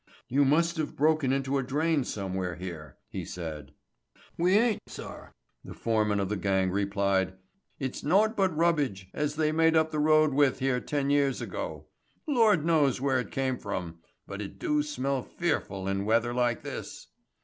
"You must have broken into a drain somewhere here," he said. "We ain't, sir," the foreman of the gang replied. "It's nout but rubbidge as they made up the road with here ten years ago. Lord knows where it came from, but it do smell fearful in weather like this."